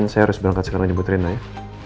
ren saya harus berangkat sekarang jemput rena ya